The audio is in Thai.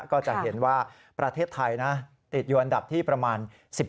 ก็จะเห็นว่าประเทศไทยนะติดอยู่อันดับที่ประมาณ๑๕